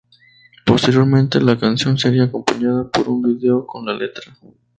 Posteriormente, la canción sería acompañada por un video con la letra.